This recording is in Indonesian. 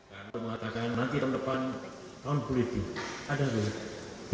kami mengatakan nanti di depan tahun politik ada bukti